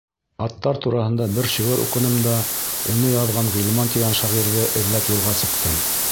— Аттар тураһында бер шиғыр уҡыным да, уны яҙған Ғилман тигән шағирҙы эҙләп юлға сыҡтым.